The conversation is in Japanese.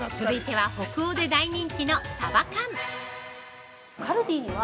続いては、北欧で大人気のサバ缶。